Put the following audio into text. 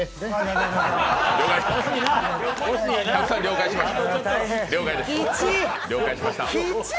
たくさん了解しました。